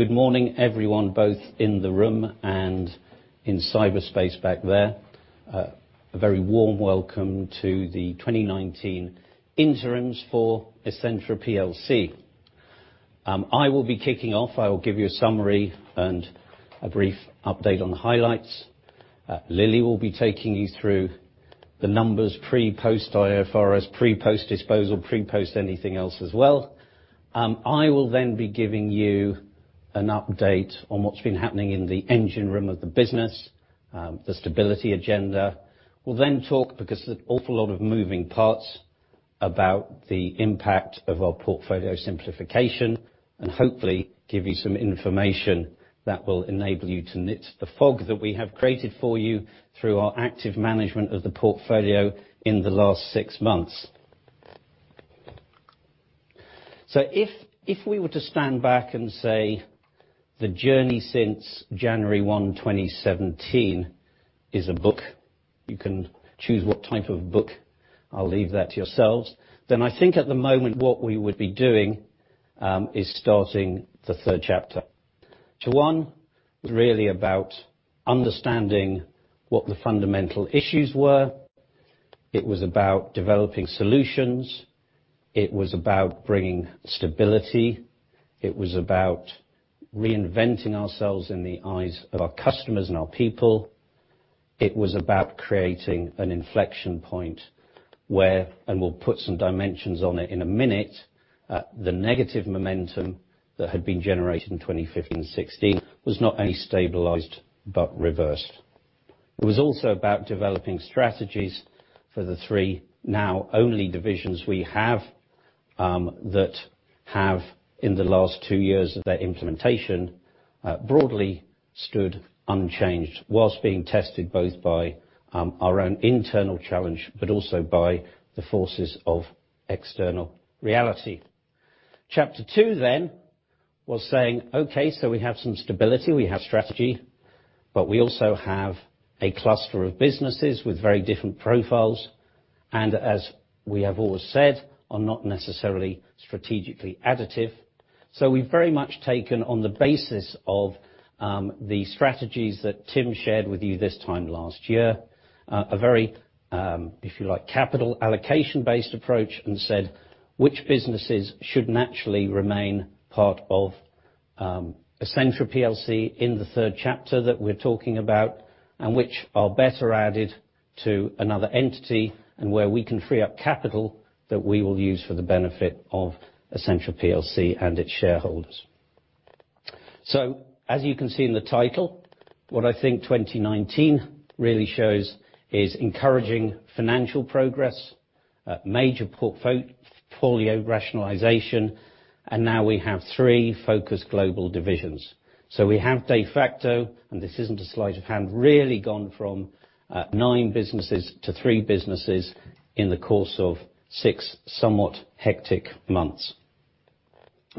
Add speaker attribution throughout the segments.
Speaker 1: Good morning, everyone, both in the room and in cyberspace back there. A very warm welcome to the 2019 interims for Essentra PLC. I will be kicking off. I will give you a summary and a brief update on the highlights. Lily will be taking you through the numbers pre/post IFRS, pre/post disposal, pre/post anything else as well. We'll talk, because there's an awful lot of moving parts, about the impact of our portfolio simplification, and hopefully give you some information that will enable you to knit the fog that we have created for you through our active management of the portfolio in the last six months. If we were to stand back and say the journey since January 1, 2017 is a book, you can choose what type of book, I'll leave that to yourselves. I think at the moment, what we would be doing is starting the third chapter. To one, really about understanding what the fundamental issues were. It was about developing solutions. It was about bringing stability. It was about reinventing ourselves in the eyes of our customers and our people. It was about creating an inflection point where, and we'll put some dimensions on it in a minute, the negative momentum that had been generated in 2015 and 2016 was not only stabilized, but reversed. It was also about developing strategies for the three now only divisions we have, that have in the last two years of their implementation, broadly stood unchanged while being tested both by our own internal challenge, but also by the forces of external reality. Chapter two was saying, okay, we have some stability, we have strategy, we also have a cluster of businesses with very different profiles, as we have always said, are not necessarily strategically additive. We've very much taken on the basis of the strategies that Tim shared with you this time last year, a very, if you like, capital allocation-based approach and said which businesses should naturally remain part of Essentra PLC in the third chapter that we're talking about, and which are better added to another entity, and where we can free up capital that we will use for the benefit of Essentra PLC and its shareholders. As you can see in the title, what I think 2019 really shows is encouraging financial progress, major portfolio rationalization, and now we have three focused global divisions. We have de facto, and this isn't a sleight of hand, really gone from nine businesses to three businesses in the course of six somewhat hectic months.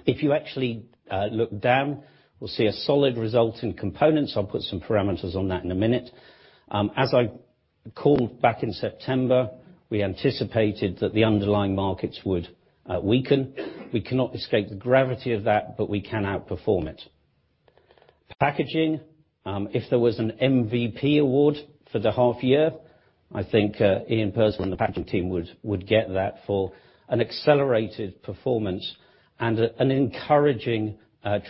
Speaker 1: If you actually look down, we'll see a solid result in components. I'll put some parameters on that in a minute. As I called back in September, we anticipated that the underlying markets would weaken. We cannot escape the gravity of that, but we can outperform it. Packaging, if there was an MVP award for the half year, I think Ian Purssell and the packaging team would get that for an accelerated performance and an encouraging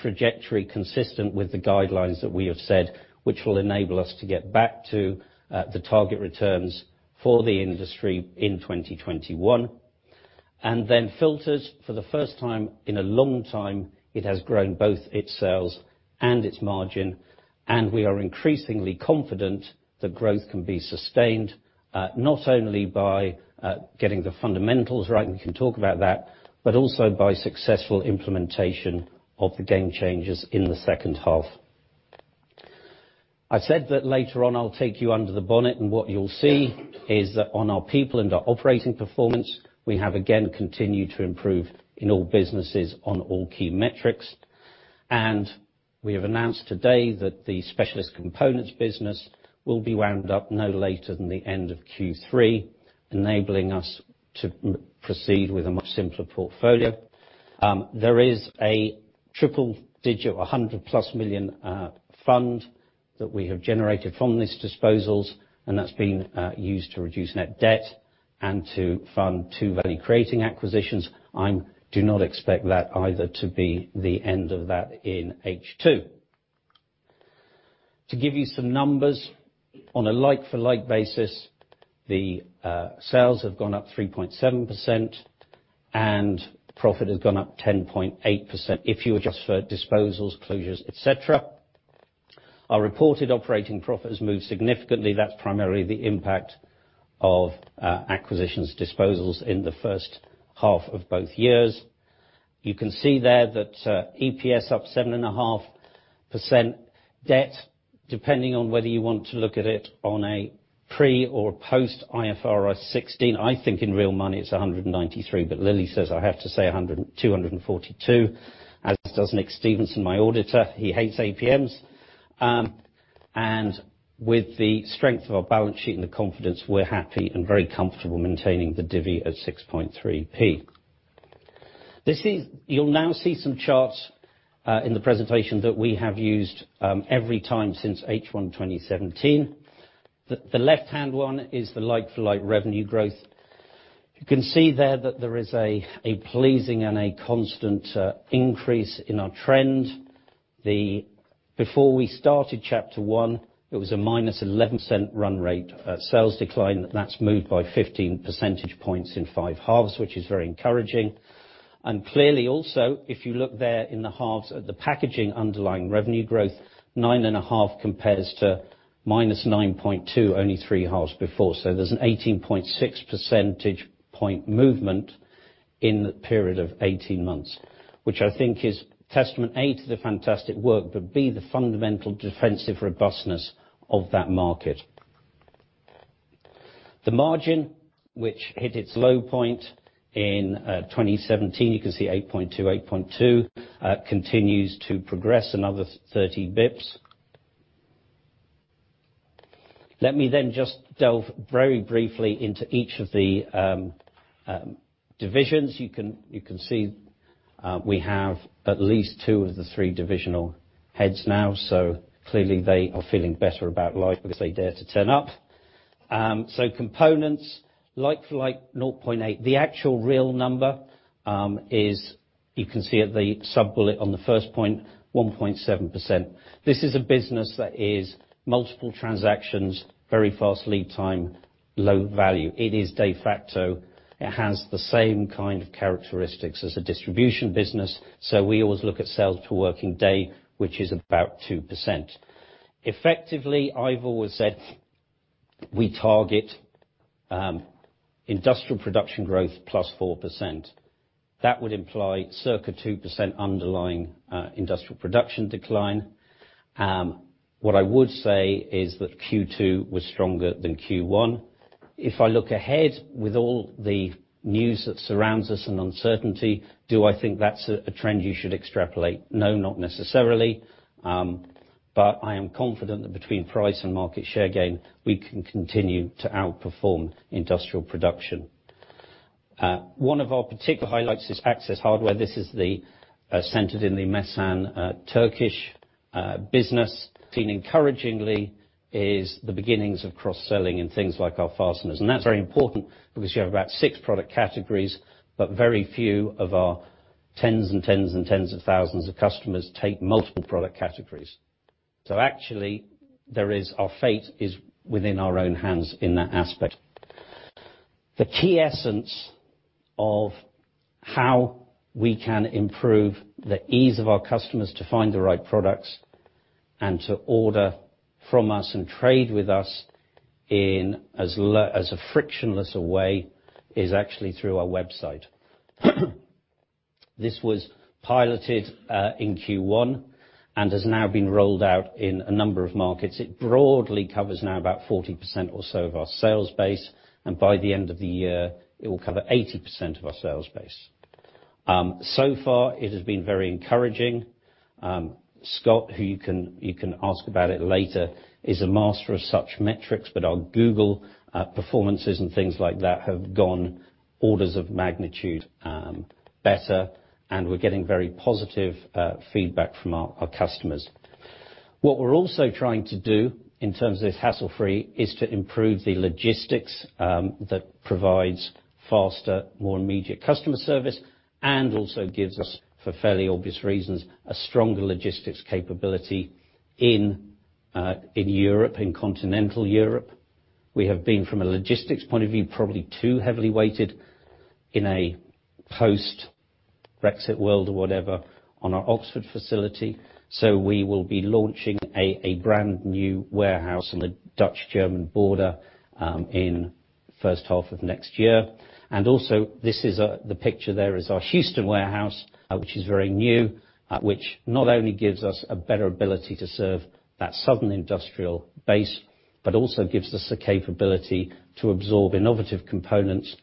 Speaker 1: trajectory consistent with the guidelines that we have said, which will enable us to get back to the target returns for the industry in 2021. Filters for the first time in a long time, it has grown both its sales and its margin, and we are increasingly confident that growth can be sustained, not only by getting the fundamentals right, and we can talk about that, but also by successful implementation of the game changes in the second half. I said that later on I'll take you under the bonnet, and what you'll see is that on our people and our operating performance, we have again continued to improve in all businesses on all key metrics. We have announced today that the specialist components business will be wound up no later than the end of Q3, enabling us to proceed with a much simpler portfolio. There is a triple-digit, 100-plus million fund that we have generated from these disposals, and that's being used to reduce net debt and to fund two value-creating acquisitions. I do not expect that either to be the end of that in H2. To give you some numbers, on a like-for-like basis, the sales have gone up 3.7% and profit has gone up 10.8% if you adjust for disposals, closures, et cetera. Our reported operating profit has moved significantly. That's primarily the impact of acquisitions, disposals in the first half of both years. You can see there that EPS up 7.5% debt, depending on whether you want to look at it on a pre or post IFRS 16. I think in real money it's 193, but Lily says I have to say 242, as does Nick Stevenson, my auditor. He hates APMs. With the strength of our balance sheet and the confidence, we're happy and very comfortable maintaining the divvy at 6.3p. You'll now see some charts in the presentation that we have used every time since H1 2017. The left-hand one is the like-for-like revenue growth. You can see there that there is a pleasing and a constant increase in our trend. Before we started chapter one, it was a -11% run rate sales decline. That's moved by 15 percentage points in five halves, which is very encouraging. Clearly also, if you look there in the halves at the packaging underlying revenue growth, 9.5 compares to -9.2, only three halves before. There's an 18.6 percentage point movement in the period of 18 months, which I think is testament, A, to the fantastic work, but B, the fundamental defensive robustness of that market. The margin, which hit its low point in 2017, you can see 8.2, 8.2, continues to progress another 30 basis points. Let me then just delve very briefly into each of the divisions. You can see we have at least two of the three divisional heads now, clearly they are feeling better about life because they dare to turn up. Components, like-for-like, 0.8. The actual real number is, you can see at the sub-bullet on the first point, 1.7%. This is a business that is multiple transactions, very fast lead time, low value. It is de facto. It has the same kind of characteristics as a distribution business. We always look at sales to working day, which is about 2%. Effectively, I've always said we target industrial production growth plus 4%. That would imply circa 2% underlying industrial production decline. What I would say is that Q2 was stronger than Q1. If I look ahead with all the news that surrounds us, and uncertainty, do I think that's a trend you should extrapolate? No, not necessarily. I am confident that between price and market share gain, we can continue to outperform industrial production. One of our particular highlights is Access Hardware. This is centered in the Mesan Turkish business. Seen encouragingly is the beginnings of cross-selling in things like our fasteners. That's very important because you have about six product categories, but very few of our tens and tens and tens of thousands of customers take multiple product categories. Actually, our fate is within our own hands in that aspect. The key essence of how we can improve the ease of our customers to find the right products and to order from us and trade with us in as frictionless a way is actually through our website. This was piloted in Q1 and has now been rolled out in a number of markets. It broadly covers now about 40% or so of our sales base, and by the end of the year, it will cover 80% of our sales base. So far, it has been very encouraging. Scott, who you can ask about it later, is a master of such metrics, but our Google performances and things like that have gone orders of magnitude better, and we're getting very positive feedback from our customers. What we're also trying to do in terms of this hassle-free is to improve the logistics that provides faster, more immediate customer service and also gives us, for fairly obvious reasons, a stronger logistics capability in continental Europe. We have been, from a logistics point of view, probably too heavily weighted in a post-Brexit world or whatever on our Oxford facility. We will be launching a brand new warehouse on the Dutch-German border in first half of next year. Also, the picture there is our Houston warehouse, which is very new, which not only gives us a better ability to serve that southern industrial base, but also gives us the capability to absorb Innovative Components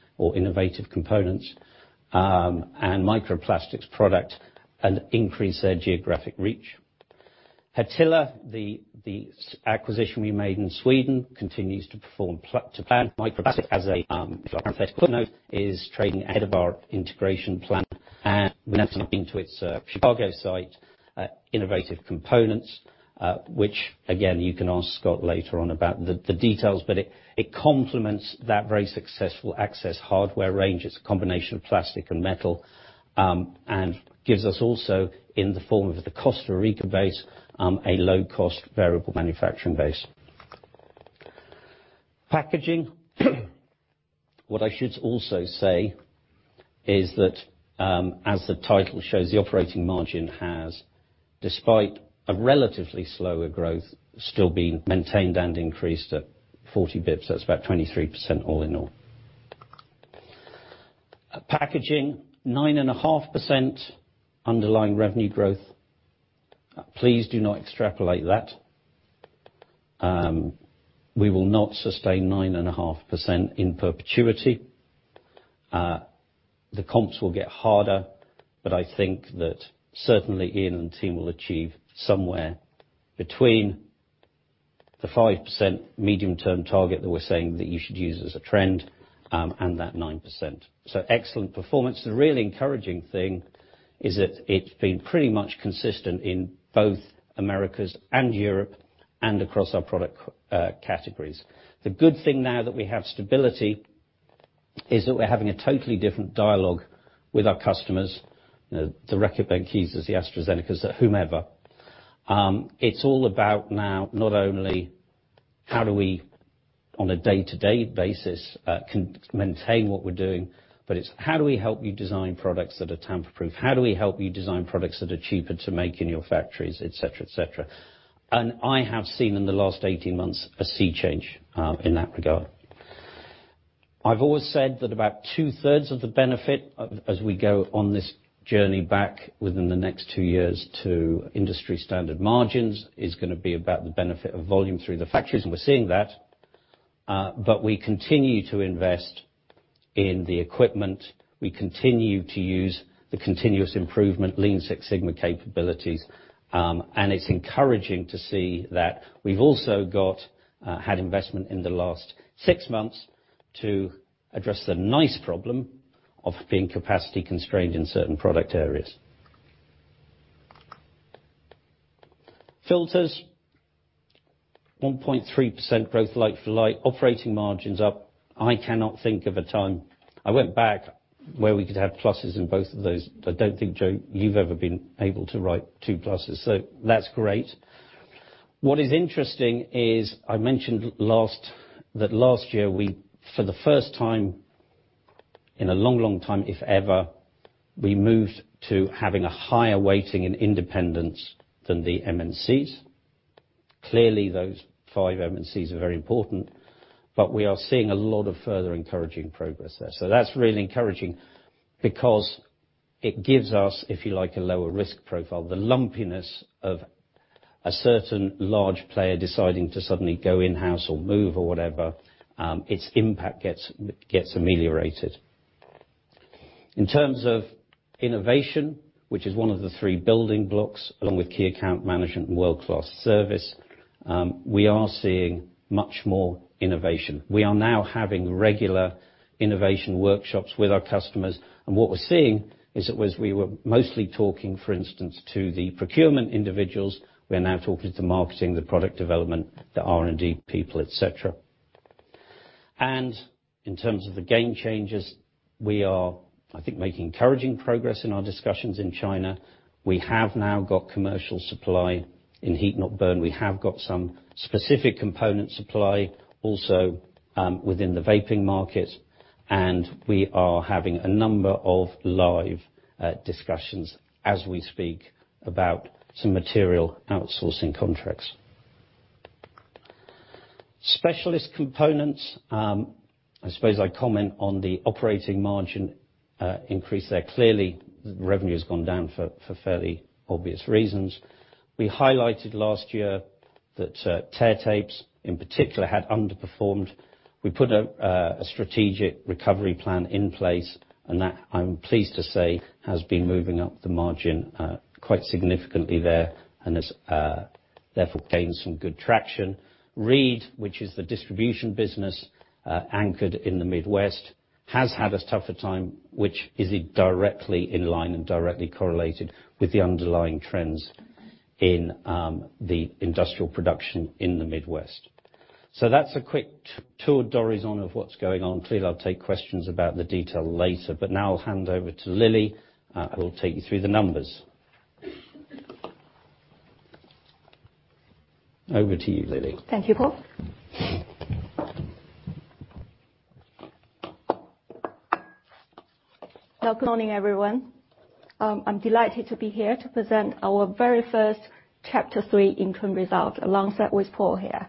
Speaker 1: and Micro Plastics product and increase their geographic reach. Hertila, the acquisition we made in Sweden, continues to perform to plan. Micro Plastics, as a parenthetical note, is trading ahead of our integration plan, and we have been to its Chicago site, Innovative Components, which again, you can ask Scott later on about the details, but it complements that very successful Access Hardware range. It's a combination of plastic and metal, and gives us also, in the form of the Costa Rica base, a low-cost variable manufacturing base. Packaging. What I should also say is that as the title shows, the operating margin has, despite a relatively slower growth, still been maintained and increased at 40 basis points. That's about 23% all in all. Packaging, 9.5% underlying revenue growth. Please do not extrapolate that. We will not sustain 9.5% in perpetuity. The comps will get harder, but I think that certainly Ian and the team will achieve somewhere between the 5% medium-term target that we're saying that you should use as a trend, and that 9%. Excellent performance. The really encouraging thing is that it's been pretty much consistent in both Americas and Europe, and across our product categories. The good thing now that we have stability is that we're having a totally different dialogue with our customers, the Reckitt Benckisers, the AstraZenecas, the whomever. It's all about now, not only how do we, on a day-to-day basis, maintain what we're doing, but it's how do we help you design products that are tamper-proof? How do we help you design products that are cheaper to make in your factories, et cetera? I have seen in the last 18 months a sea change in that regard. I've always said that about two-thirds of the benefit, as we go on this journey back within the next two years to industry standard margins, is going to be about the benefit of volume through the factories, and we're seeing that. We continue to invest in the equipment. We continue to use the continuous improvement Lean Six Sigma capabilities. It's encouraging to see that we've also had investment in the last six months to address the nice problem of being capacity constrained in certain product areas. Filters, 1.3% growth like for like. Operating margin's up. I cannot think of a time, I went back, where we could have pluses in both of those. I don't think, Joe, you've ever been able to write two pluses. That's great. What is interesting is I mentioned that last year we, for the first time in a long time, if ever, we moved to having a higher weighting in independents than the MNCs. Clearly, those five MNCs are very important. We are seeing a lot of further encouraging progress there. That's really encouraging because it gives us, if you like, a lower risk profile. The lumpiness of a certain large player deciding to suddenly go in-house or move or whatever, its impact gets ameliorated. In terms of innovation, which is one of the three building blocks, along with key account management and world-class service, we are seeing much more innovation. We are now having regular innovation workshops with our customers. What we're seeing is we were mostly talking, for instance, to the procurement individuals. We are now talking to the marketing, the product development, the R&D people, et cetera. In terms of the game changes, we are, I think, making encouraging progress in our discussions in China. We have now got commercial supply in Heat Not Burn. We have got some specific component supply also within the vaping market, and we are having a number of live discussions as we speak about some material outsourcing contracts. Specialist components. I suppose I comment on the operating margin increase there. Clearly, revenue has gone down for fairly obvious reasons. We highlighted last year that Tear Tapes, in particular, had underperformed. We put a strategic recovery plan in place. That, I'm pleased to say, has been moving up the margin quite significantly there and has, therefore, gained some good traction. Reid, which is the distribution business anchored in the Midwest, has had a tougher time, which is directly in line and directly correlated with the underlying trends in the industrial production in the Midwest. That's a quick tour d'horizon of what's going on. Clearly, I'll take questions about the detail later. Now I'll hand over to Lily, who will take you through the numbers. Over to you, Lily.
Speaker 2: Thank you, Paul. Good morning, everyone. I'm delighted to be here to present our very first Chapter 3 interim results, alongside with Paul here.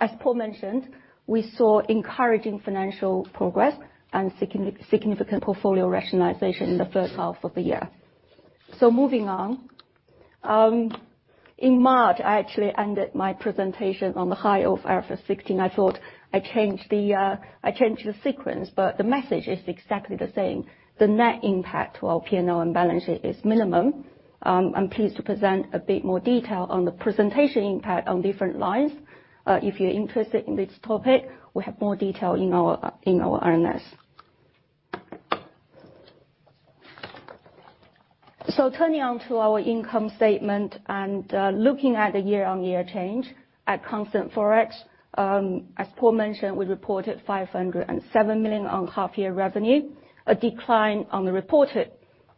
Speaker 2: As Paul mentioned, we saw encouraging financial progress and significant portfolio rationalization in the first half of the year. Moving on. In March, I actually ended my presentation on the high of IFRS 16. I thought I'd change the sequence, the message is exactly the same. The net impact to our P&L and balance sheet is minimum. I'm pleased to present a bit more detail on the presentation impact on different lines. If you're interested in this topic, we have more detail in our RNS. Turning on to our income statement and looking at the year-on-year change at constant ForEx. As Paul mentioned, we reported 507 million on half-year revenue, a decline on the reported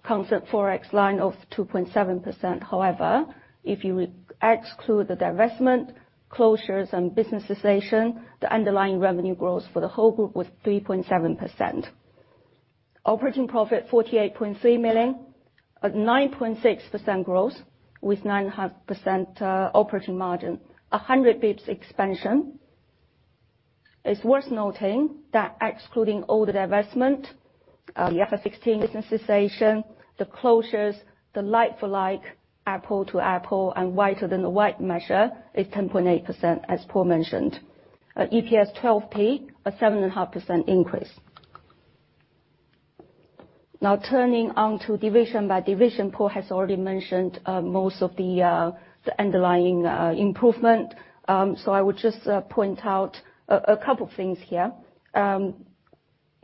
Speaker 2: constant ForEx line of 2.7%. If you exclude the divestment, closures, and business cessation, the underlying revenue growth for the whole group was 3.7%. Operating profit 48.3 million at 9.6% growth, with 9.5% operating margin, 100 basis points expansion. It's worth noting that excluding all the divestment, the IFRS 16 business cessation, the closures, the like-for-like, apple-to-apple, and wider than the white measure is 10.8%, as Paul mentioned. EPS 0.12, a 7.5% increase. Turning on to division by division. Paul has already mentioned most of the underlying improvement. I would just point out a couple of things here.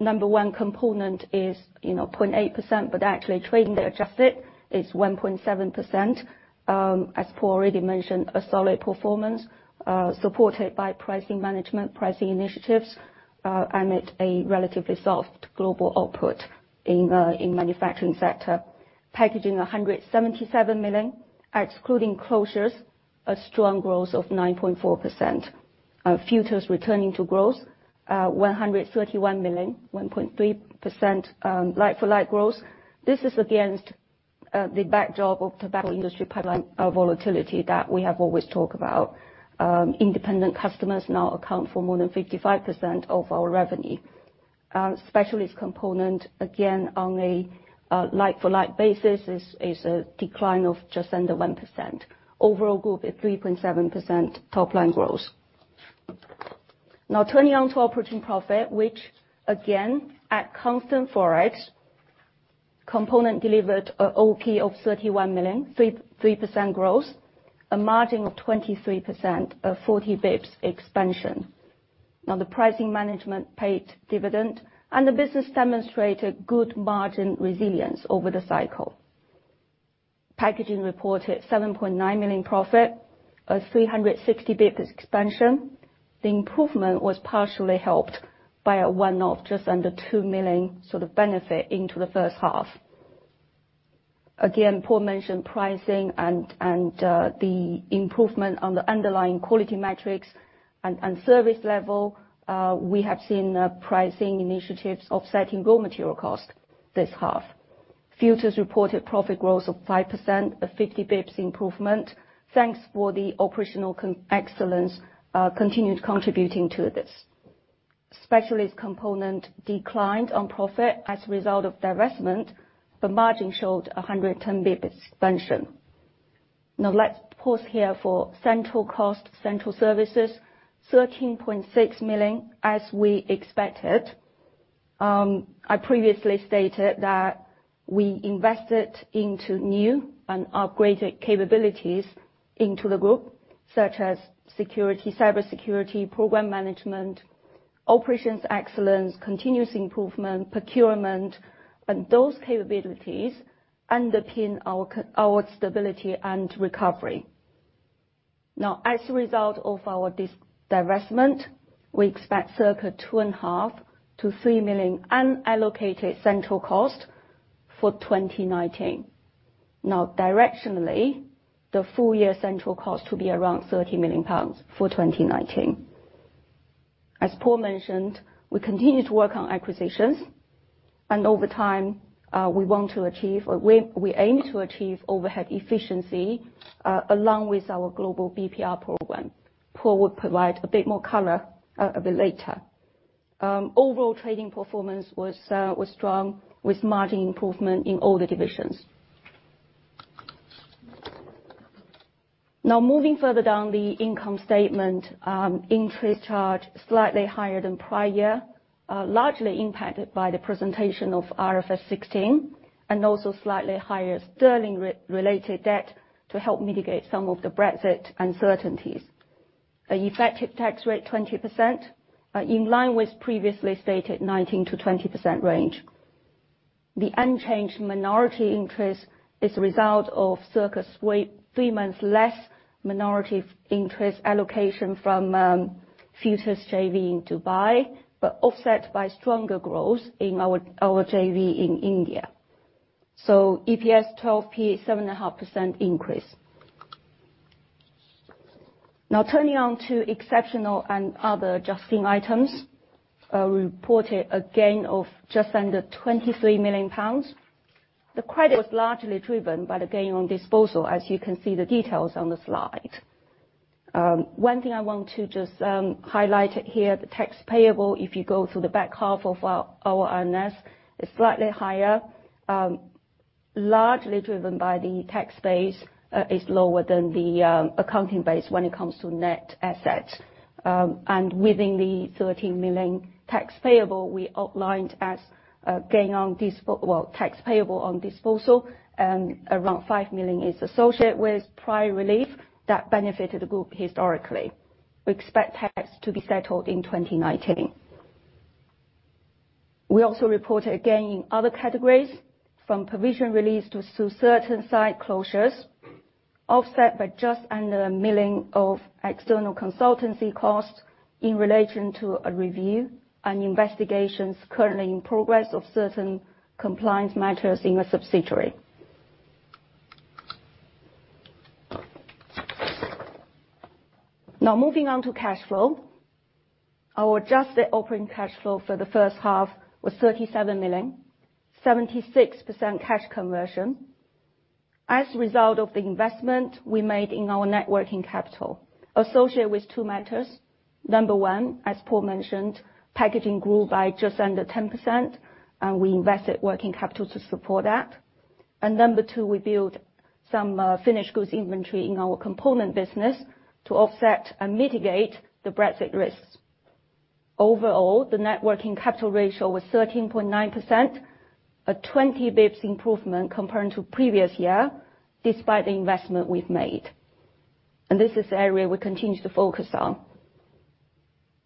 Speaker 2: Number one component is 0.8%, but actually trading adjusted is 1.7%. As Paul already mentioned, a solid performance, supported by pricing management, pricing initiatives, amid a relatively soft global output in manufacturing sector. Packaging, 177 million. Excluding closures, a strong growth of 9.4%. Filters returning to growth, 131 million, 1.3% like-for-like growth. This is against the backdrop of tobacco industry pipeline volatility that we have always talked about. Independent customers now account for more than 55% of our revenue. Specialist component, again, on a like-for-like basis, is a decline of just under 1%. Overall group is 3.7% top-line growth. Turning on to operating profit, which again, at constant ForEx, component delivered a OK of 31 million, 3% growth, a margin of 23%, a 40 basis points expansion. The pricing management paid dividend and the business demonstrated good margin resilience over the cycle. Packaging reported 7.9 million profit, a 360 basis points expansion. The improvement was partially helped by a one-off, just under 2 million sort of benefit into the first half. Again, Paul mentioned pricing and the improvement on the underlying quality metrics and service level. We have seen pricing initiatives offsetting raw material cost this half. Filters reported profit growth of 5%, a 50 basis points improvement. Thanks for the operational excellence continued contributing to this. Specialist component declined on profit as a result of divestment, but margin showed 110 basis points expansion. Let's pause here for central cost, central services. 13.6 million, as we expected. I previously stated that we invested into new and upgraded capabilities into the group, such as security, cybersecurity, program management, operations excellence, continuous improvement, procurement, and those capabilities underpin our stability and recovery. As a result of our divestment, we expect circa 2.5 million to 3 million unallocated central cost for 2019. Directionally, the full year central cost to be around 30 million pounds for 2019. As Paul mentioned, we continue to work on acquisitions, and over time, we aim to achieve overhead efficiency along with our global BPR program. Paul will provide a bit more color a bit later. Overall trading performance was strong with margin improvement in all the divisions. Moving further down the income statement. Interest charge slightly higher than prior year, largely impacted by the presentation of IFRS 16 and also slightly higher sterling-related debt to help mitigate some of the Brexit uncertainties. Effective tax rate, 20%, in line with previously stated 19%-20% range. The unchanged minority interest is a result of circa three months less minority interest allocation from Filters JV in Dubai, but offset by stronger growth in our JV in India. EPS 0.12, 7.5% increase. Turning on to exceptional and other adjusting items. We reported a gain of just under 23 million pounds. The credit was largely driven by the gain on disposal, as you can see the details on the slide. One thing I want to just highlight here, the tax payable, if you go to the back half of our RNS, is slightly higher, largely driven by the tax base is lower than the accounting base when it comes to net assets. Within the 13 million tax payable, we outlined as tax payable on disposal, around 5 million is associated with prior relief that benefited the group historically. We expect tax to be settled in 2019. We also reported a gain in other categories from provision release to certain site closures, offset by just under 1 million of external consultancy costs in relation to a review and investigations currently in progress of certain compliance matters in a subsidiary. Now moving on to cash flow. Our adjusted operating cash flow for the first half was 37 million, 76% cash conversion as a result of the investment we made in our net working capital associated with two matters. Number 1, as Paul mentioned, packaging grew by just under 10%. We invested working capital to support that. Number 2, we built some finished goods inventory in our component business to offset and mitigate the Brexit risks. Overall, the net working capital ratio was 13.9%, a 20 basis points improvement comparing to previous year, despite the investment we've made. This is the area we continue to focus on.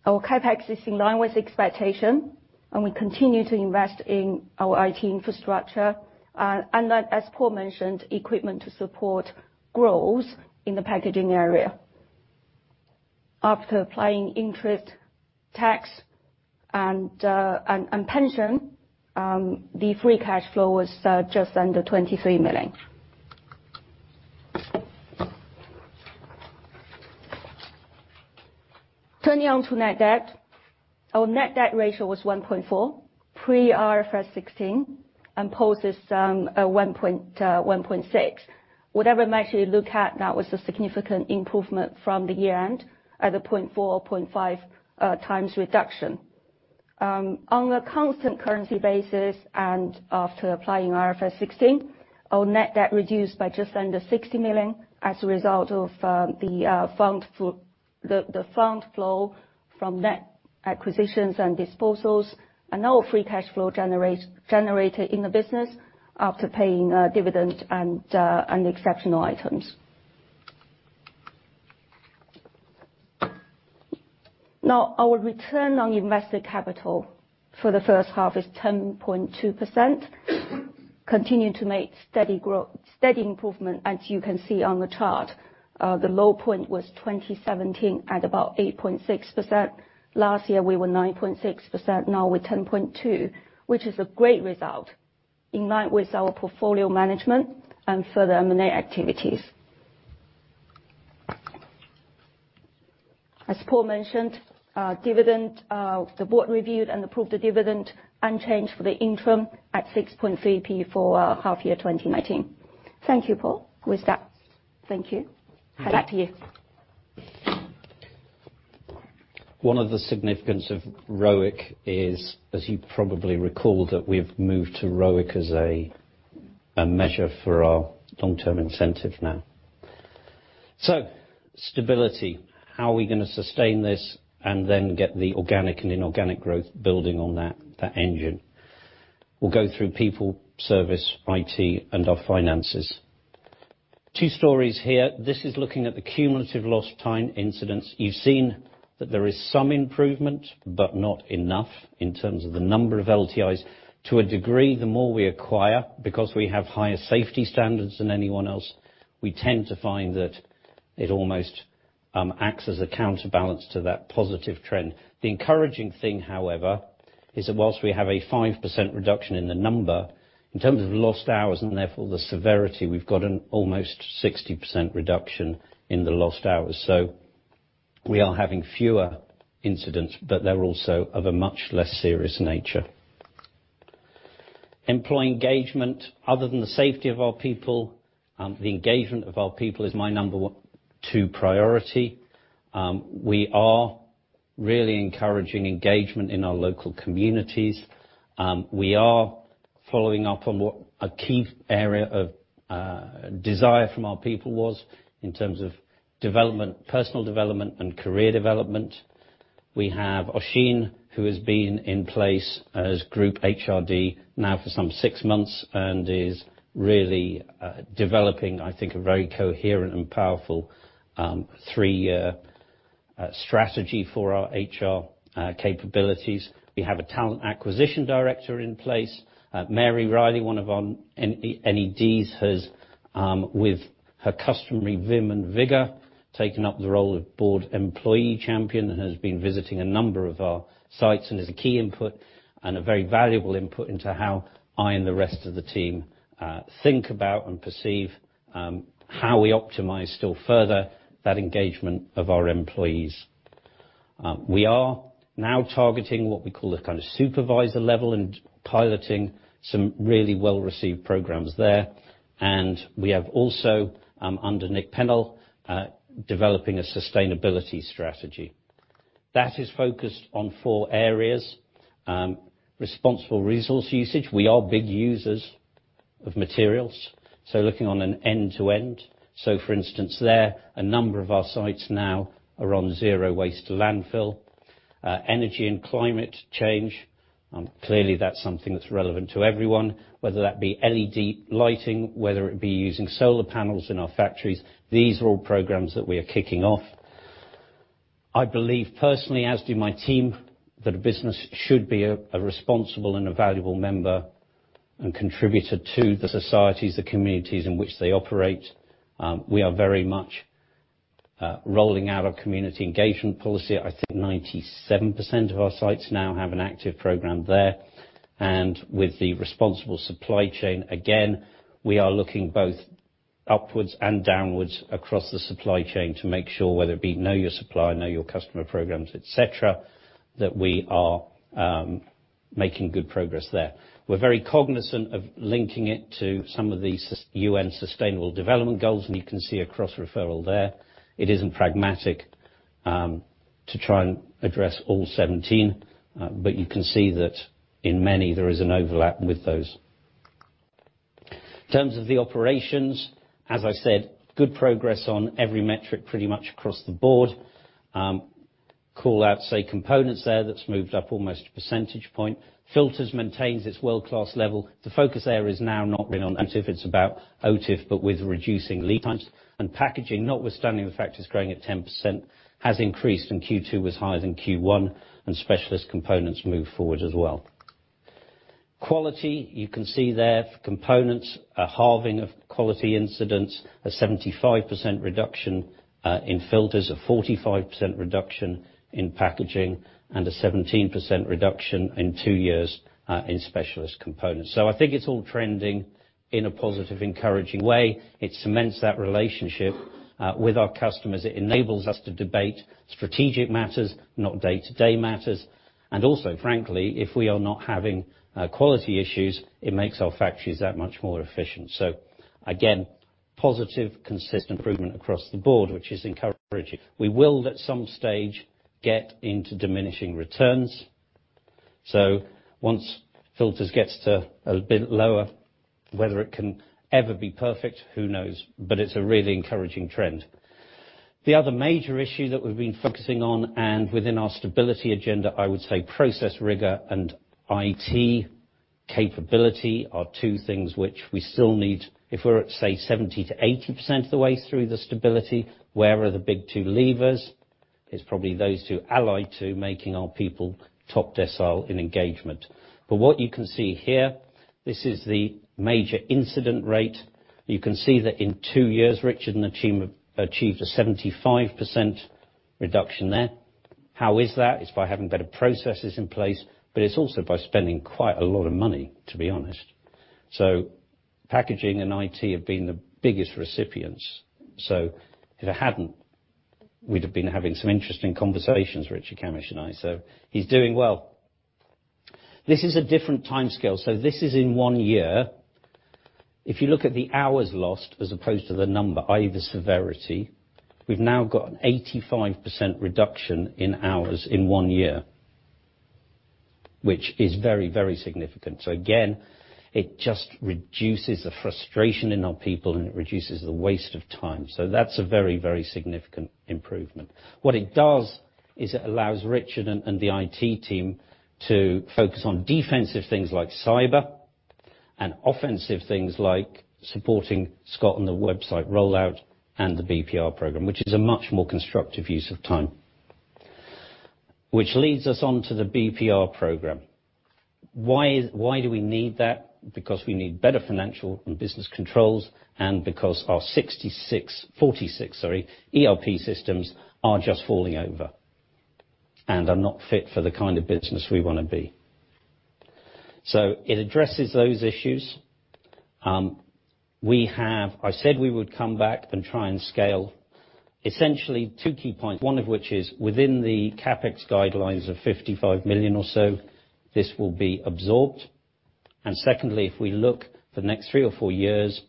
Speaker 2: Our CapEx is in line with expectation. We continue to invest in our IT infrastructure, as Paul mentioned, equipment to support growth in the packaging area. After applying interest, tax, and pension, the free cash flow was just under 23 million. Turning on to net debt, our net debt ratio was 1.4 pre our IFRS 16, and post is 1.6. Whatever measure you look at, that was a significant improvement from the year end, at a 0.4 or 0.5 times reduction. On a constant currency basis and after applying IFRS 16, our net debt reduced by just under 60 million as a result of the fund flow from net acquisitions and disposals and our free cash flow generated in the business after paying dividend and the exceptional items. Our return on invested capital for the first half is 10.2%, continuing to make steady improvement, as you can see on the chart. The low point was 2017 at about 8.6%. Last year, we were 9.6%. We're 10.2%, which is a great result in line with our portfolio management and further M&A activities. As Paul mentioned, the board reviewed and approved the dividend unchanged for the interim at 0.063 for half year 2019. Thank you, Paul. With that, thank you. Back to you.
Speaker 1: One of the significance of ROIC is, as you probably recall, that we've moved to ROIC as a measure for our long-term incentive now. Stability, how are we going to sustain this and then get the organic and inorganic growth building on that engine? We'll go through people, service, IT, and our finances. Two stories here. This is looking at the cumulative lost time incidents. You've seen that there is some improvement, but not enough in terms of the number of LTIs. To a degree, the more we acquire, because we have higher safety standards than anyone else, we tend to find that it almost acts as a counterbalance to that positive trend. The encouraging thing, however, is that whilst we have a 5% reduction in the number, in terms of lost hours and therefore the severity, we've got an almost 60% reduction in the lost hours. We are having fewer incidents, but they're also of a much less serious nature. Employee engagement. Other than the safety of our people, the engagement of our people is my number two priority. We are really encouraging engagement in our local communities. We are following up on what a key area of desire from our people was in terms of personal development and career development. We have Oisín, who has been in place as Group HRD now for some six months and is really developing, I think, a very coherent and powerful three-year strategy for our HR capabilities. We have a talent acquisition director in place. Mary Reilly, one of our NEDs, has, with her customary vim and vigor, taken up the role of board employee champion and has been visiting a number of our sites and is a key input and a very valuable input into how I and the rest of the team think about and perceive how we optimize still further that engagement of our employees. We are now targeting what we call the supervisor level and piloting some really well-received programs there. We have also, under Nick Pennell, developing a sustainability strategy. That is focused on four areas. Responsible resource usage. We are big users of materials, so looking on an end to end. For instance there, a number of our sites now are on zero waste to landfill. Energy and climate change. Clearly, that's something that's relevant to everyone, whether that be LED lighting, whether it be using solar panels in our factories. These are all programs that we are kicking off. I believe personally, as do my team, that a business should be a responsible and a valuable member and contributor to the societies, the communities in which they operate. We are very much rolling out a community engagement policy. I think 97% of our sites now have an active program there. With the responsible supply chain, again, we are looking both upwards and downwards across the supply chain to make sure, whether it be know your supplier, know your customer programs, et cetera, that we are making good progress there. We're very cognizant of linking it to some of these UN Sustainable Development Goals, and you can see a cross-referral there. It isn't pragmatic to try and address all 17. You can see that in many, there is an overlap with those. In terms of the operations, as I said, good progress on every metric pretty much across the board. Call out, say, Components there, that's moved up almost a percentage point. Filters maintains its world-class level. The focus area is now not really on it's about OTIF, but with reducing lead times. Packaging, notwithstanding the fact it's growing at 10%, has increased, and Q2 was higher than Q1, and Specialist Components moved forward as well. Quality, you can see there, for Components, a halving of quality incidents, a 75% reduction in Filters, a 45% reduction in Packaging, and a 17% reduction in two years in Specialist Components. I think it's all trending in a positive, encouraging way. It cements that relationship with our customers. It enables us to debate strategic matters, not day-to-day matters. Also, frankly, if we are not having quality issues, it makes our factories that much more efficient. Again, positive, consistent improvement across the board, which is encouraging. We will, at some stage, get into diminishing returns. Once Filters gets to a bit lower, whether it can ever be perfect, who knows? It's a really encouraging trend. The other major issue that we've been focusing on, and within our stability agenda, I would say process rigor and IT capability are two things which we still need. If we're at, say, 70%-80% of the way through the stability, where are the big two levers? It's probably those two, allied to making our people top decile in engagement. What you can see here, this is the major incident rate. You can see that in two years, Richard and the team achieved a 75% reduction there. How is that? It's by having better processes in place, it's also by spending quite a lot of money, to be honest. Packaging and IT have been the biggest recipients. If it hadn't, we'd have been having some interesting conversations, Richard Cammish and I. He's doing well. This is a different timescale. This is in one year. If you look at the hours lost as opposed to the number, i.e. the severity, we've now got an 85% reduction in hours in one year, which is very significant. Again, it just reduces the frustration in our people, and it reduces the waste of time. That's a very significant improvement. What it does is it allows Richard and the IT team to focus on defensive things like cyber, and offensive things like supporting Scott on the website rollout, and the BPR program, which is a much more constructive use of time. Leads us on to the BPR program. Why do we need that? We need better financial and business controls, and because our 46 ERP systems are just falling over and are not fit for the kind of business we want to be. It addresses those issues. I said we would come back and try and scale essentially two key points, one of which is within the CapEx guidelines of 55 million or so, this will be absorbed. Secondly, if we look the next three or four years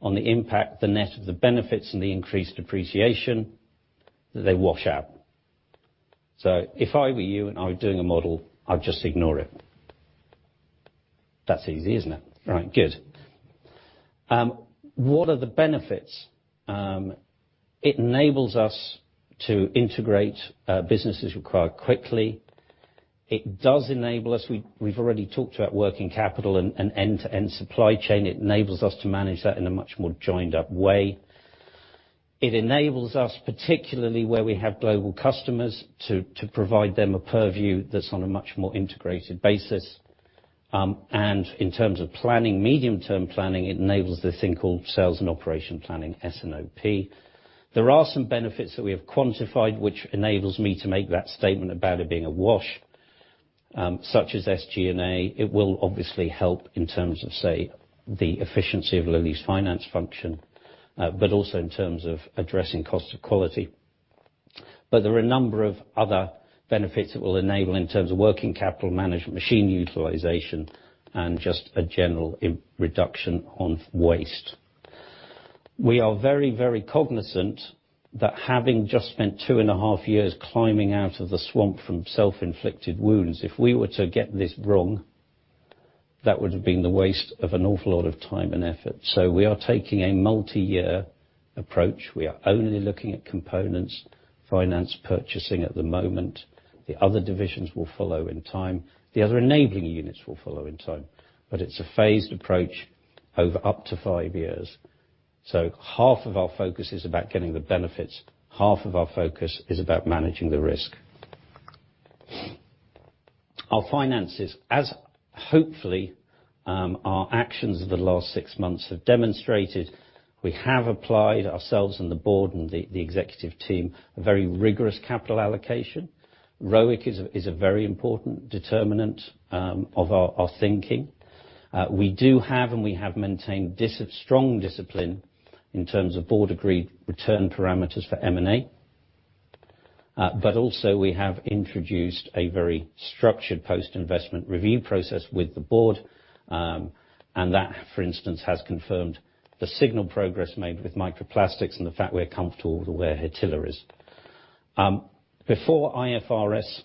Speaker 1: on the impact, the net of the benefits and the increased depreciation, they wash out. If I were you and I were doing a model, I'd just ignore it. That's easy, isn't it? Right, good. What are the benefits? It enables us to integrate businesses required quickly. It does enable us, we've already talked about working capital and end-to-end supply chain. It enables us to manage that in a much more joined-up way. It enables us, particularly where we have global customers, to provide them a purview that's on a much more integrated basis. In terms of planning, medium-term planning, it enables this thing called Sales and Operations Planning, S&OP. There are some benefits that we have quantified, which enables me to make that statement about it being a wash, such as SG&A. It will obviously help in terms of, say, the efficiency of Louise Finance function, but also in terms of addressing cost of quality. There are a number of other benefits it will enable in terms of working capital management, machine utilization, and just a general reduction on waste. We are very cognizant that having just spent two and a half years climbing out of the swamp from self-inflicted wounds, if we were to get this wrong, that would have been the waste of an awful lot of time and effort. We are taking a multi-year approach. We are only looking at Components, Finance, Purchasing at the moment. The other divisions will follow in time. The other enabling units will follow in time. It's a phased approach over up to five years. Half of our focus is about getting the benefits. Half of our focus is about managing the risk. Our finances, as hopefully our actions of the last 6 months have demonstrated, we have applied ourselves and the Board and the Executive Team a very rigorous capital allocation. ROIC is a very important determinant of our thinking. We do have, and we have maintained strong discipline in terms of Board agreed return parameters for M&A. Also, we have introduced a very structured post-investment review process with the Board, and that, for instance, has confirmed the signal progress made with Micro Plastics and the fact we are comfortable with where Hettelaar is. Before IFRS.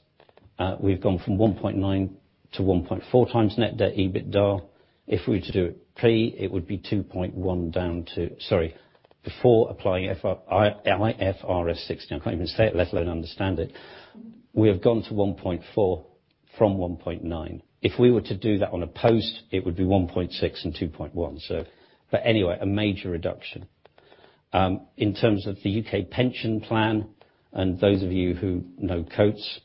Speaker 1: We have gone from 1.9 to 1.4 times net debt EBITDA. If we were to do it pre, it would be 2.1 down to Sorry, before applying IFRS 16, I cannot even say it, let alone understand it. We have gone to 1.4 from 1.9. If we were to do that on a post, it would be 1.6 and 2.1. Anyway, a major reduction. In terms of the U.K. pension plan, those of you who know Coats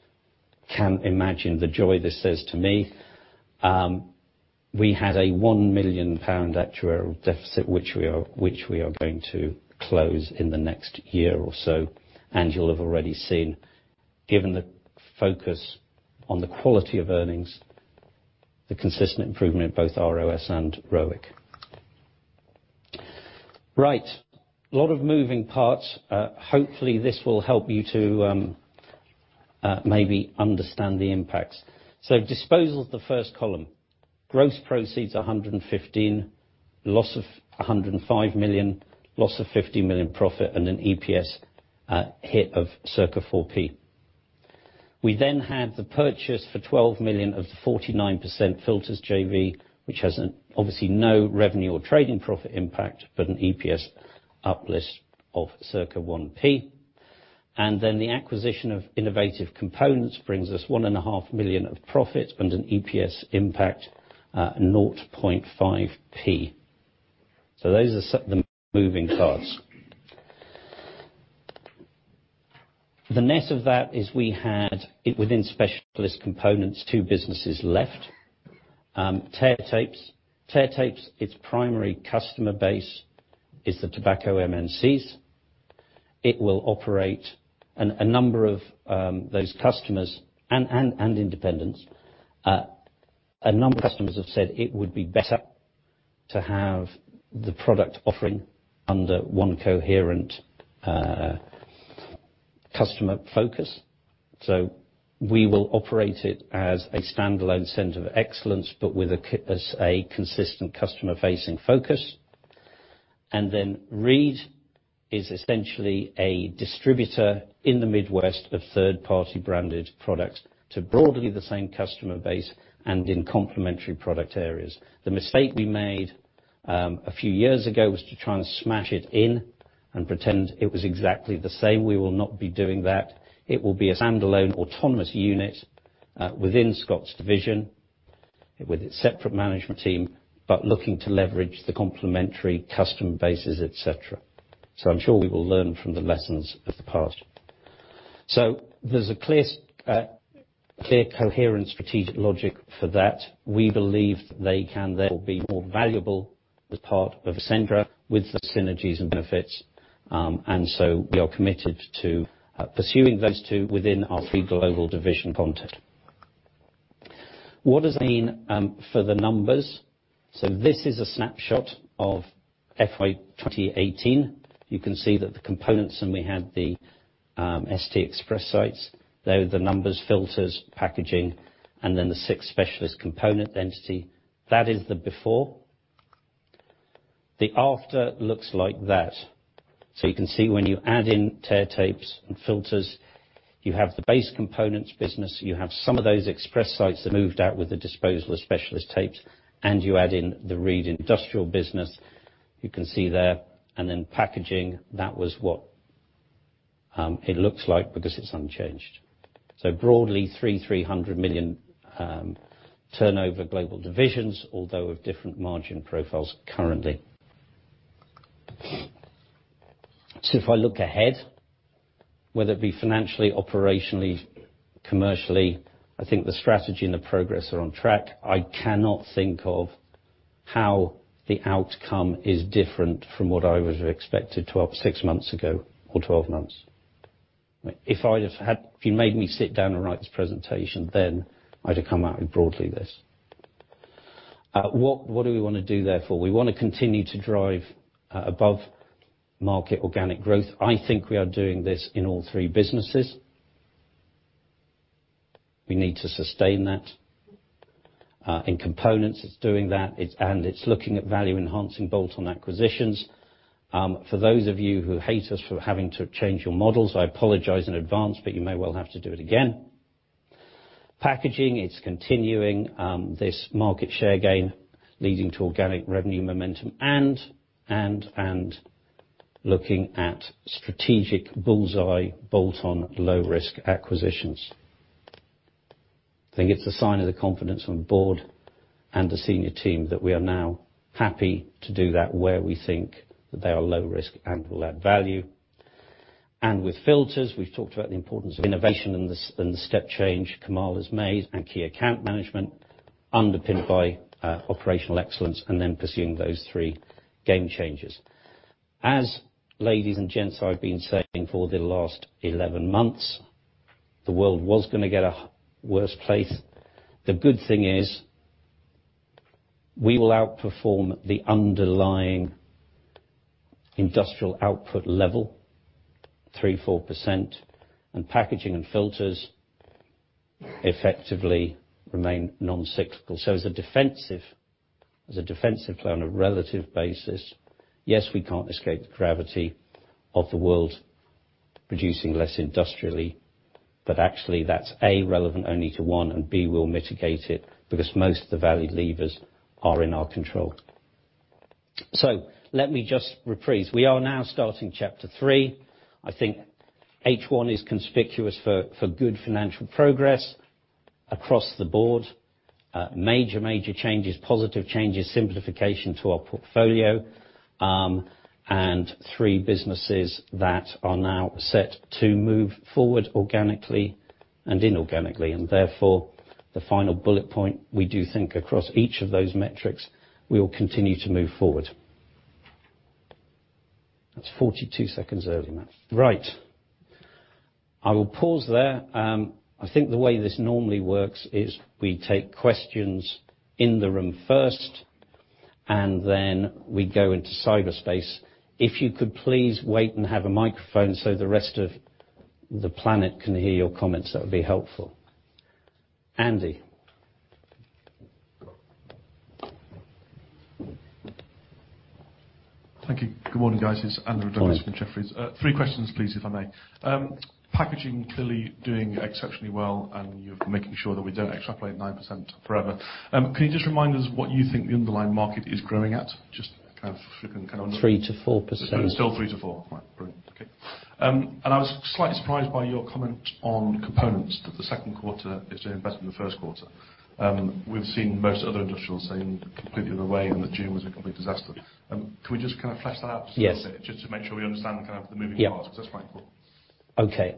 Speaker 1: can imagine the joy this says to me. We had a 1 million pound actuarial deficit, which we are going to close in the next year or so. You'll have already seen, given the focus on the quality of earnings, the consistent improvement in both ROS and ROIC. Right. A lot of moving parts. Hopefully, this will help you to maybe understand the impacts. Disposals, the first column. Gross proceeds 115, loss of 105 million, loss of 50 million profit, and an EPS hit of circa 0.04. We had the purchase for 12 million of 49% Filters JV, which has obviously no revenue or trading profit impact, but an EPS uplift of circa 0.01. The acquisition of Innovative Components brings us one and a half million of profit and an EPS impact, GBP 0.5p. Those are some of the moving parts. The net of that is we had, within specialist components, two businesses left. Tear Tapes. Tear Tapes, its primary customer base is the tobacco MNCs. It will operate a number of those customers and independents. A number of customers have said it would be better to have the product offering under one coherent customer focus. We will operate it as a standalone center of excellence, but with a consistent customer-facing focus. Reid is essentially a distributor in the Midwest of third-party branded products to broadly the same customer base and in complementary product areas. The mistake we made a few years ago was to try and smash it in and pretend it was exactly the same. We will not be doing that. It will be a standalone autonomous unit within Scott's division, with its separate management team, but looking to leverage the complementary customer bases, et cetera. I'm sure we will learn from the lessons of the past. There's a clear, coherent strategic logic for that. We believe they can then be more valuable as part of Essentra with the synergies and benefits. We are committed to pursuing those two within our three global division content. What does it mean for the numbers? This is a snapshot of FY 2018. You can see that the components, and we had the ST Express sites. They are the numbers, filters, packaging, and then the sixth specialist component entity. That is the before. The after looks like that. You can see when you add in Tear Tapes and filters, you have the base components business. You have some of those express sites that moved out with the disposal of Speciality Tapes, and you add in the Reid Supply business. You can see there. Packaging, that was what it looks like because it's unchanged. Broadly, 300 million turnover global divisions, although of different margin profiles currently. If I look ahead, whether it be financially, operationally, commercially, I think the strategy and the progress are on track. I cannot think of how the outcome is different from what I would have expected six months ago or 12 months. If you made me sit down and write this presentation, then I'd have come out with broadly this. What do we want to do therefore? We want to continue to drive above market organic growth. I think we are doing this in all three businesses. We need to sustain that. In Components, it's doing that, and it's looking at value-enhancing bolt-on acquisitions. For those of you who hate us for having to change your models, I apologize in advance, but you may well have to do it again. Packaging, it's continuing this market share gain, leading to organic revenue momentum and looking at strategic bull's-eye bolt-on low-risk acquisitions. I think it's a sign of the confidence on board and the senior team that we are now happy to do that where we think that they are low risk and will add value. With Filters, we've talked about the importance of innovation and the step change Kamal has made and key account management underpinned by operational excellence, and then pursuing those three game changers. As, ladies and gents, I've been saying for the last 11 months, the world was going to get a worse place. The good thing is we will outperform the underlying industrial output level 3%, 4%, and packaging and filters effectively remain non-cyclical. As a defensive play on a relative basis. Yes, we can't escape the gravity of the world producing less industrially, but actually that's, A, relevant only to one, and B, we'll mitigate it because most of the valid levers are in our control. Let me just reprise. We are now starting chapter three. I think H1 is conspicuous for good financial progress across the board. Major, major changes, positive changes, simplification to our portfolio, and three businesses that are now set to move forward organically and inorganically. Therefore, the final bullet point, we do think across each of those metrics, we will continue to move forward. That's 42 seconds early, Matt. Right. I will pause there. I think the way this normally works is we take questions in the room first. Then we go into cyberspace. If you could please wait and have a microphone so the rest of the planet can hear your comments, that would be helpful. Andy.
Speaker 3: Thank you. Good morning, guys. It's Andrew Douglas from Jefferies.
Speaker 1: Hi.
Speaker 3: Three questions please, if I may. Packaging clearly doing exceptionally well, you're making sure that we don't extrapolate 9% forever. Can you just remind us what you think the underlying market is growing at?
Speaker 1: 3%-4%.
Speaker 3: Still 3% to 4%. Right. Brilliant. Okay. I was slightly surprised by your comment on components that the second quarter is doing better than the first quarter. We've seen most other industrials saying completely in the way and that June was a complete disaster. Can we just kind of flesh that out just a bit?
Speaker 1: Yes.
Speaker 3: Just to make sure we understand kind of the moving parts.
Speaker 1: Yeah.
Speaker 3: Because that's quite cool.
Speaker 1: Okay.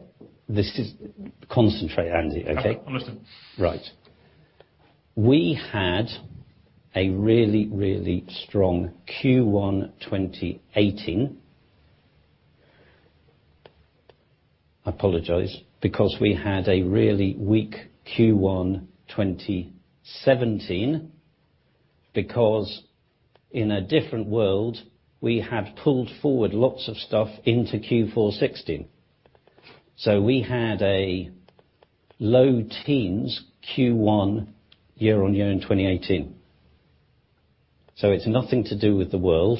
Speaker 1: Concentrate, Andy, okay?
Speaker 3: I'm listening.
Speaker 1: Right. We had a really, really strong Q1 2018. I apologize. We had a really weak Q1 2017, because in a different world, we had pulled forward lots of stuff into Q4 2016. We had a low teens Q1 year-on-year in 2018. It's nothing to do with the world.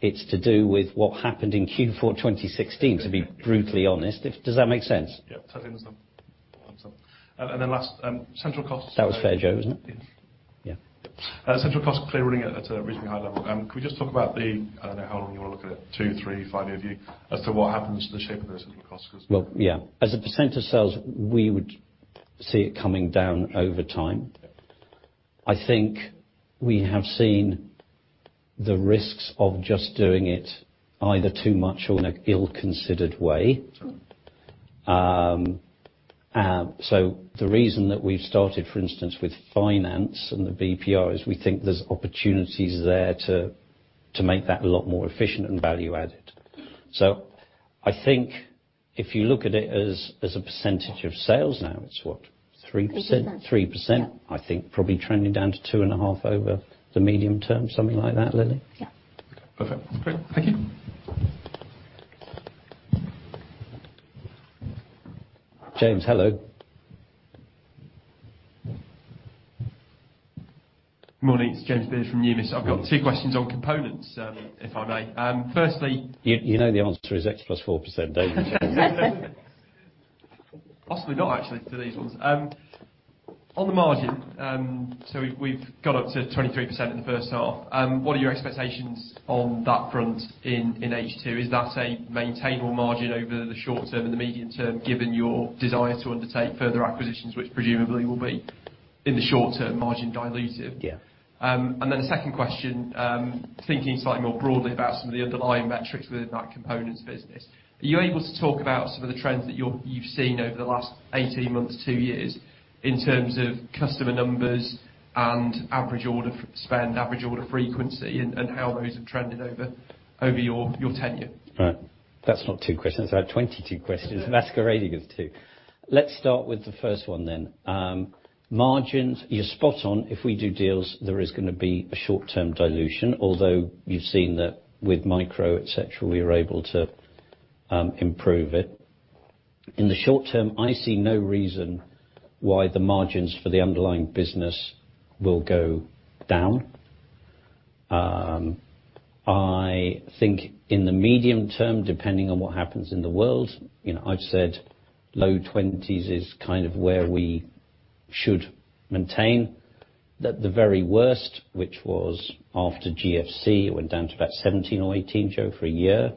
Speaker 1: It's to do with what happened in Q4 2016, to be brutally honest. Does that make sense?
Speaker 3: Yeah. I think that's all. Last, central costs-
Speaker 1: That was fair, Joe, isn't it?
Speaker 3: Yes.
Speaker 1: Yeah.
Speaker 3: Central costs clearly running at a reasonably high level. Can we just talk about the, I don't know how long you want to look at it, two, three, five-year view, as to what happens to the shape of those central costs?
Speaker 1: Well, yeah. As a % of sales, we would see it coming down over time.
Speaker 3: Yeah.
Speaker 1: I think we have seen the risks of just doing it either too much or in an ill-considered way.
Speaker 3: Sure.
Speaker 1: The reason that we've started, for instance, with finance and the BPR, is we think there's opportunities there to make that a lot more efficient and value added. I think if you look at it as a percentage of sales now, it's what, 3%? 3%. 3%. Yeah. I think probably trending down to two and a half over the medium term, something like that, Lily? Yeah.
Speaker 3: Perfect. Great. Thank you.
Speaker 1: James, hello.
Speaker 4: Morning. It's James Beard from Numis. I've got two questions on components, if I may.
Speaker 1: You know the answer is X plus 4%, don't you?
Speaker 4: Possibly not, actually, for these ones. On the margin, we've gone up to 23% in the first half. What are your expectations on that front in H2? Is that a maintainable margin over the short term and the medium term, given your desire to undertake further acquisitions, which presumably will be in the short term, margin dilutive?
Speaker 1: Yeah.
Speaker 4: A second question, thinking slightly more broadly about some of the underlying metrics within that components business. Are you able to talk about some of the trends that you've seen over the last 18 months, two years, in terms of customer numbers and average order spend, average order frequency, and how those have trended over your tenure?
Speaker 1: Right. That's not two questions. I have 22 questions masquerading as two. Let's start with the first one. Margins, you're spot on. If we do deals, there is gonna be a short-term dilution, although you've seen that with Micro, et cetera, we are able to improve it. In the short term, I see no reason why the margins for the underlying business will go down. I think in the medium term, depending on what happens in the world, I've said low 20s is kind of where we should maintain. At the very worst, which was after GFC, it went down to about 17 or 18, Joe, for a year.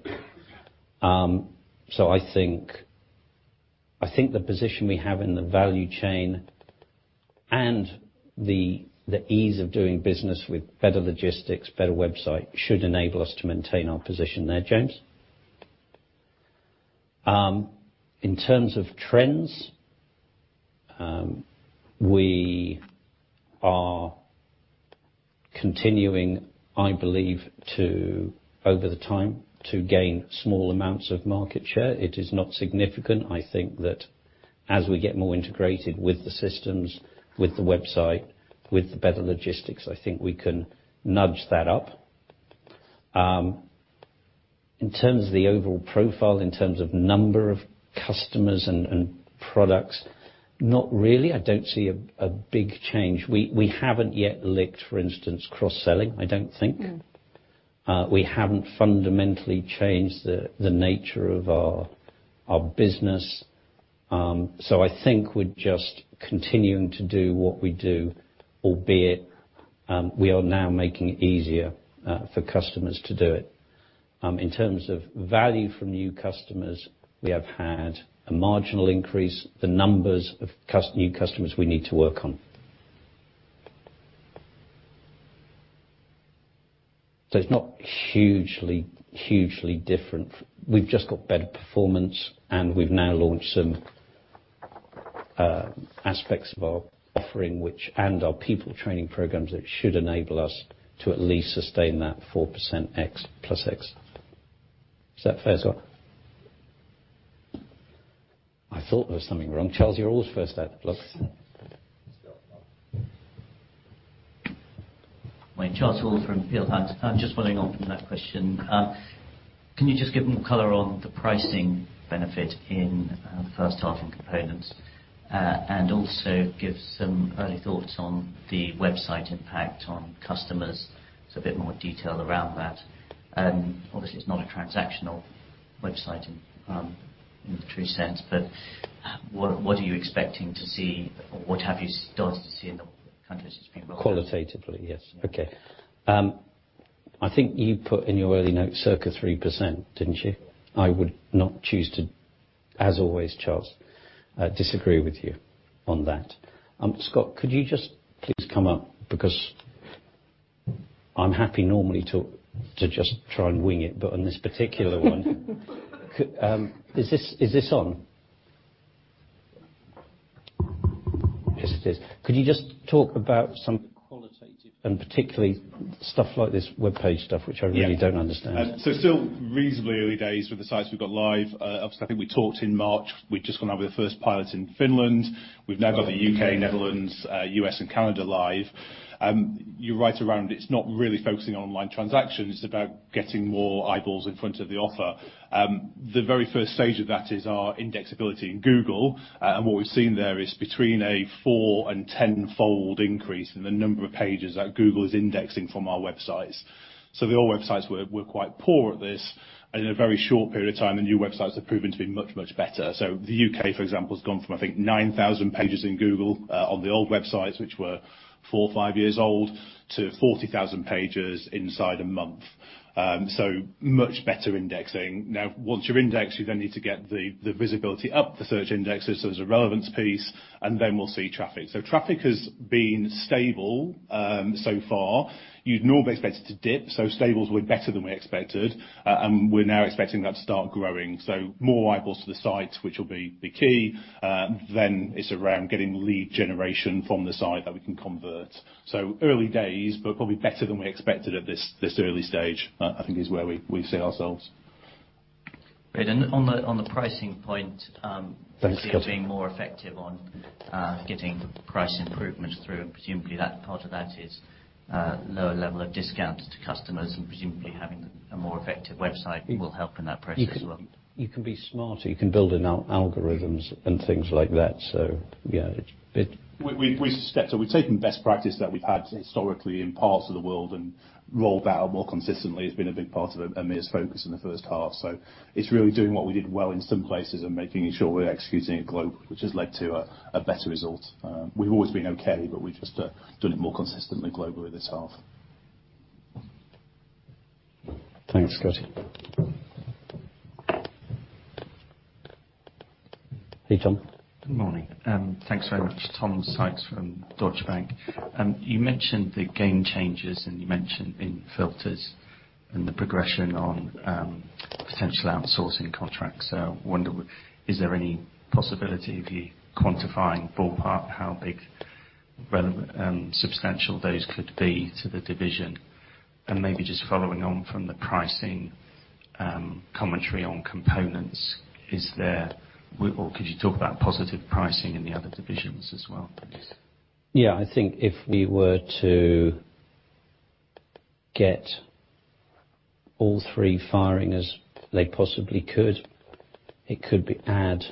Speaker 1: I think the position we have in the value chain and the ease of doing business with better logistics, better website, should enable us to maintain our position there, James. In terms of trends, we are continuing, I believe, over the time, to gain small amounts of market share. It is not significant. I think that as we get more integrated with the systems, with the website, with the better logistics, I think we can nudge that up. In terms of the overall profile, in terms of number of customers and products, not really. I don't see a big change. We haven't yet licked, for instance, cross-selling, I don't think.
Speaker 5: No. We haven't fundamentally changed the nature of our business. I think we're just continuing to do what we do, albeit, we are now making it easier for customers to do it. In terms of value from new customers, we have had a marginal increase. The numbers of new customers we need to work on. It's not hugely different. We've just got better performance, and we've now launched some aspects of our offering, and our people training programs, that should enable us to at least sustain that 4% plus X. Is that fair, Scott? I thought there was something wrong. Charles, you're always first out of the blocks.
Speaker 6: Charles Hall from Peel Hunt. Just following on from that question, can you just give more color on the pricing benefit in the first half in components? Also give some early thoughts on the website impact on customers, a bit more detail around that. Obviously, it's not a transactional website in the true sense, what are you expecting to see, or what have you started to see in the countries it's been rolled out?
Speaker 1: Qualitatively, yes. Okay. I think you put in your early notes circa 3%, didn't you? I would not choose to, as always, Charles, disagree with you on that. Scott, could you just please come up, because I'm happy normally to just try and wing it, but on this particular one. Is this on? Yes, it is. Could you just talk about some qualitative and particularly stuff like this webpage stuff, which I really don't understand.
Speaker 5: Yeah. Still reasonably early days with the sites we've got live. Obviously, I think we talked in March, we'd just gone live with the first pilot in Finland. We've now got the U.K., Netherlands, U.S. and Canada live. You're right around, it's not really focusing on online transaction. It's about getting more eyeballs in front of the offer. The very first stage of that is our index ability in Google. What we've seen there is between a 4 and 10-fold increase in the number of pages that Google is indexing from our websites. The old websites were quite poor at this. In a very short period of time, the new websites have proven to be much, much better. The U.K., for example, has gone from, I think, 9,000 pages in Google on the old websites, which were four or five years old, to 40,000 pages inside a month. Much better indexing. Once you're indexed, you then need to get the visibility up the search indexes as a relevance piece, and then we'll see traffic. Traffic has been stable so far. You'd normally expect it to dip, so stable's way better than we expected. We're now expecting that to start growing. More eyeballs to the site, which will be key. It's around getting lead generation from the site that we can convert. Early days, but probably better than we expected at this early stage, I think is where we see ourselves.
Speaker 6: Great. On the pricing point.
Speaker 1: Thanks, Scott.
Speaker 6: you're being more effective on getting price improvements through. Presumably, part of that is lower level of discounts to customers, and presumably having a more effective website will help in that process as well.
Speaker 1: You can be smarter. You can build in algorithms and things like that. Yeah.
Speaker 5: We've stepped up. We've taken best practice that we've had historically in parts of the world and rolled that out more consistently, has been a big part of Aamir's focus in the first half. It's really doing what we did well in some places and making sure we're executing it globally, which has led to a better result. We've always been okay, but we've just done it more consistently globally this half.
Speaker 1: Thanks, Scott. Hey, Tom.
Speaker 7: Good morning. Thanks very much. Tom Sykes from Deutsche Bank. You mentioned the game changes, and you mentioned in Filters and the progression on potential outsourcing contracts. I wonder, is there any possibility of you quantifying ballpark how big relevant and substantial those could be to the division? Maybe just following on from the pricing commentary on Components. Could you talk about positive pricing in the other divisions as well, please?
Speaker 1: Yeah. I think if we were to get all three firing as they possibly could, it could be add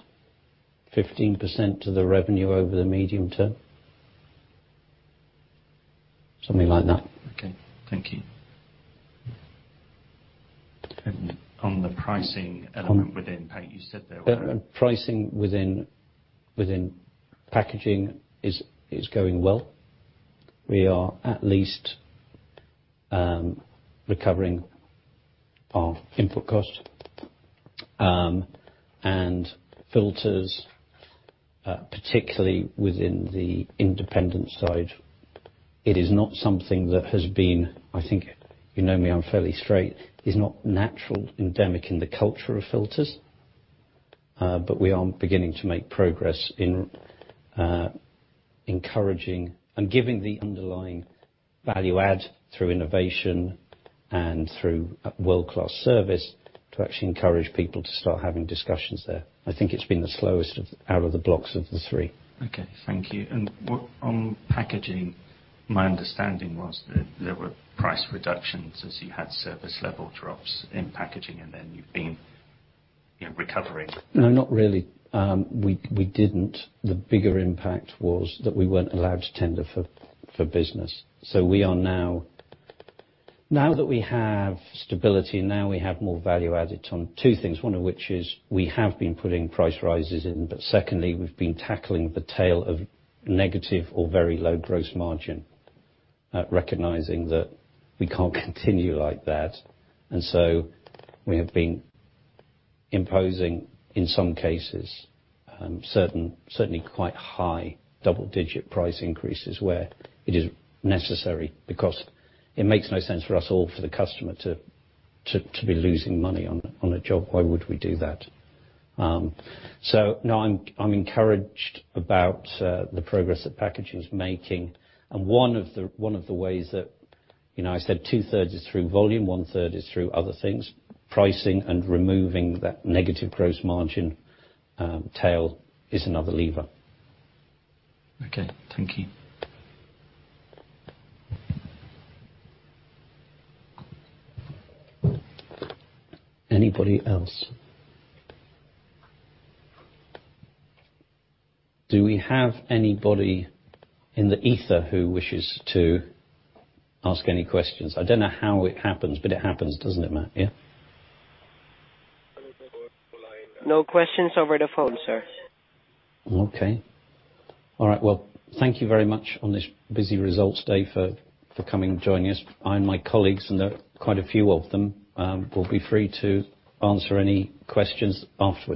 Speaker 1: 15% to the revenue over the medium term. Something like that.
Speaker 7: Okay. Thank you. On the pricing element within, you said there were-
Speaker 1: Pricing within packaging is going well. We are at least recovering our input cost. Filters, particularly within the independent side, it is not something that has been, I think you know me, I'm fairly straight, is not natural endemic in the culture of Filters. We are beginning to make progress in encouraging and giving the underlying value add through innovation and through world-class service to actually encourage people to start having discussions there. I think it's been the slowest out of the blocks of the three.
Speaker 7: Okay. Thank you. On packaging. My understanding was that there were price reductions as you had service level drops in packaging, and then you've been recovering.
Speaker 1: No, not really. We didn't. The bigger impact was that we weren't allowed to tender for business. Now that we have stability, now we have more value added on two things, one of which is we have been putting price rises in. Secondly, we've been tackling the tail of negative or very low gross margin, recognizing that we can't continue like that. We have been imposing, in some cases, certainly quite high double-digit price increases where it is necessary, because it makes no sense for us or for the customer to be losing money on a job. Why would we do that? No, I'm encouraged about the progress that packaging is making. One of the ways that I said two-thirds is through volume, one-third is through other things. Pricing and removing that negative gross margin tail is another lever.
Speaker 7: Okay. Thank you.
Speaker 1: Anybody else? Do we have anybody in the ether who wishes to ask any questions? I don't know how it happens, but it happens, doesn't it, Matt? Yeah.
Speaker 8: No questions over the phone, sir.
Speaker 1: Okay. All right. Well, thank you very much on this busy results day for coming and joining us. I and my colleagues, and there are quite a few of them, will be free to answer any questions after.